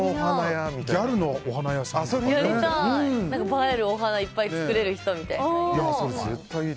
映えるお花をいっぱい作れる人みたいになりたい。